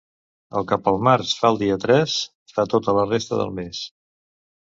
El que pel març fa el dia tres, fa tota la resta del mes.